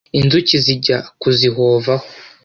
inzuki zijya kuzihovaho